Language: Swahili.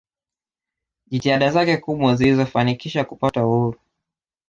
jitihada zake kubwa zilizo fanikisha kupata uhuru